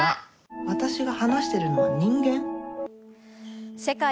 私が話してるのは人間。